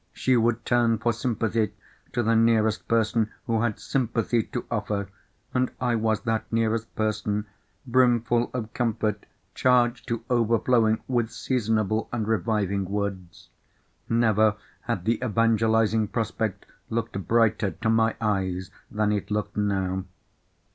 She would turn for sympathy to the nearest person who had sympathy to offer. And I was that nearest person—brimful of comfort, charged to overflowing with seasonable and reviving words. Never had the evangelising prospect looked brighter, to my eyes, than it looked now.